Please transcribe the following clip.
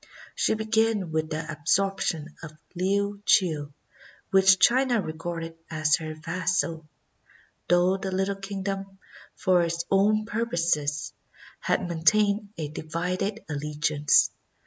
She began with the absorption of Liuchiu, which China regarded as her vassal, though the little kingdom, for its own purposes, had maintained a divided allegiance.